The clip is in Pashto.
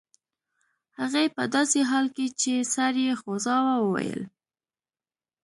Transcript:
هغې په داسې حال کې چې سر یې خوځاوه وویل